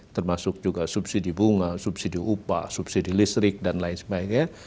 termasuk juga subsidi bunga subsidi upah subsidi listrik dan lain sebagainya